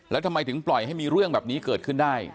แล้วทำไมถึงปล่อยให้มีเรื่องแบบนี้เกิดขึ้นได้